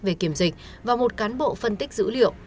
về kiểm dịch và một cán bộ phân tích dữ liệu